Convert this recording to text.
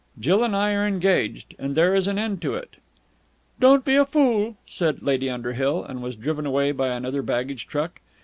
"Jill and I are engaged, and there is an end to it." "Don't be a fool," said Lady Underhill, and was driven away by another baggage truck.